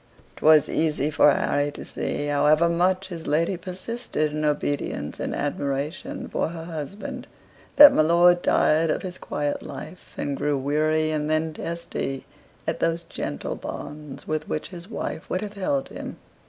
'Twas easy for Harry to see, however much his lady persisted in obedience and admiration for her husband, that my lord tired of his quiet life, and grew weary, and then testy, at those gentle bonds with which his wife would have held him.